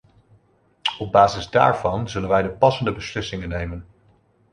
Op basis daarvan zullen wij de passende beslissingen nemen.